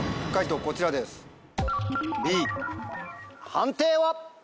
判定は。